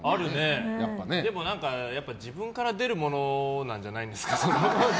でも自分から出るものなんじゃないですか？